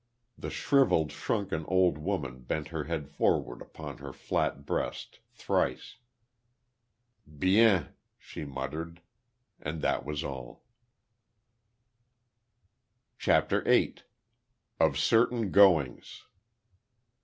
The shrivelled, shrunken old woman bent her head forward upon her flat breast, thrice. "Bien," she muttered. And that was all. CHAPTER EIGHT. OF CERTAIN GOINGS.